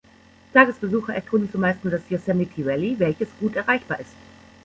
Tagesbesucher erkunden zumeist nur das "Yosemite Valley", welches gut erreichbar ist.